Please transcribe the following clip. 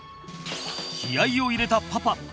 気合いを入れたパパ